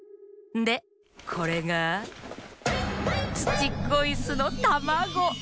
でこれがツチッコイスのたまご。